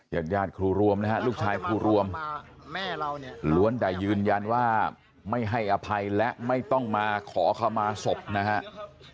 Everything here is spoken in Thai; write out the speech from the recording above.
ญาติญาติครูรวมนะฮะลูกชายครูรวมล้วนแต่ยืนยันว่าไม่ให้อภัยและไม่ต้องมาขอขมาศพนะครับ